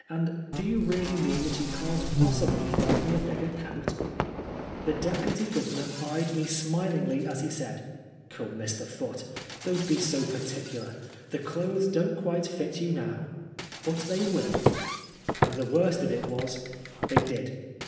And do you really mean that you can't possibly find me a bigger coat ?" The Deputy Governor eyed me smilingly as he said, " Come, Mr. Foote, don't be so partictdar ; the clothes don't quite fit you now, but they wilV^ And the worst of it was tJiey did.